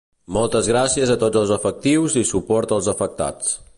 Moltes gràcies a tots els efectius i suport als afectats.